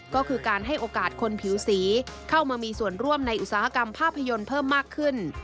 ก็คือการให้โอกาสคนผิวสีเข้ามามีส่วนร่วมในอุตสาหกรรมภาพยนตร์เพิ่มมากขึ้น